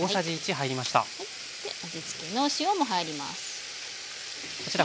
味つけの塩も入ります。